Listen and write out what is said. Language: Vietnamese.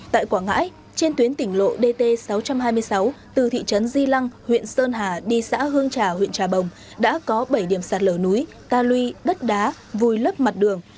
tại quảng ngãi trên tuyến tỉnh lộ dt sáu trăm hai mươi sáu từ thị trấn di lăng huyện sơn hà đi xã hương trà huyện trà bồng đã có bảy điểm sạt lở núi ta lui đất đá vùi lấp mặt đường